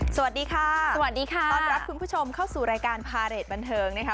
สวัสดีค่ะสวัสดีค่ะต้อนรับคุณผู้ชมเข้าสู่รายการพาเรทบันเทิงนะคะ